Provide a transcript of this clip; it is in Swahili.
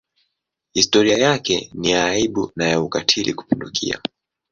Historia yake ni ya aibu na ya ukatili kupindukia.